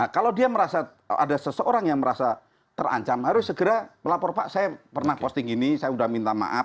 kalau dia merasa ada seseorang yang merasa terancam harus segera melapor pak saya pernah posting ini saya sudah minta maaf